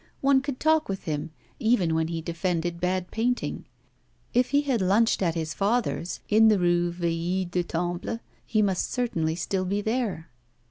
One could talk with him, even when he defended bad painting. If he had lunched at his father's, in the Rue Vieille du Temple, he must certainly still be there.